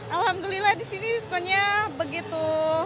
alhamdulillah di sini diskonnya begitu